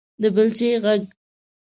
_د بېلچې غږ